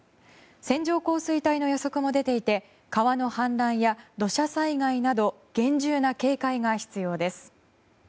線状降水帯の予測も出ていて川の氾濫や土砂災害など厳重な警戒が必要です。